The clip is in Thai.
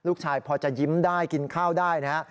ลูกชายพอจะยิ้มได้กินข้าวได้นะฮะ